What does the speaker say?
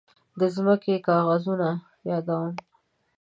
د ځمکې کاغذونه يادوم.